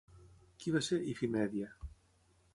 Qui va ser Ifimèdia?